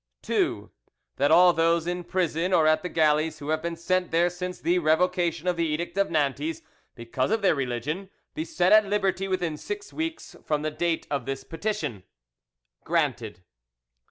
"2. That all those in prison or at the galleys who have been sent there since the revocation of the Edict of Nantes, because of their religion, be set at liberty within six weeks from the date of this petition. 'Granted.